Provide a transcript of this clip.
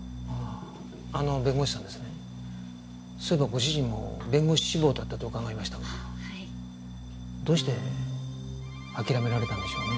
そういえばご主人も弁護士志望だったと伺いましたがどうして諦められたんでしょうね。